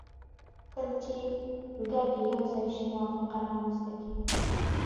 کله چې ګټې یو ځای شي موافقه رامنځته کیږي